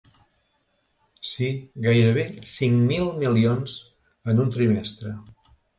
Sí, gairebé cinc mil milions en un trimestre!